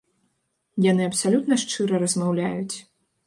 Яны абсалютна шчыра размаўляюць.